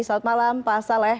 selamat malam pak saleh